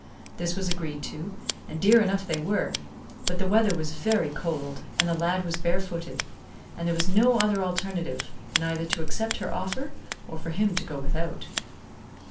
This was agreed to, and dear enough they were; but the weather was very cold, and the lad was barefooted, and there was no other alternative than either to accept her offer, or for him to go without.